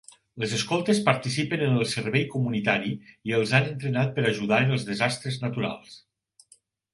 Els escoltes participen en el servei comunitari i els han entrenat per a ajudar en els desastres naturals.